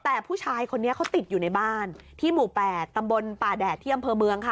แต่ผู้ชายคนนี้เขาติดอยู่ในบ้านที่หมู่๘ตำบลป่าแดดที่อำเภอเมืองค่ะ